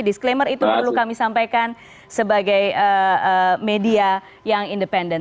disclaimer itu perlu kami sampaikan sebagai media yang independen